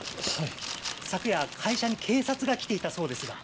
昨夜会社に警察が来ていたそうですが？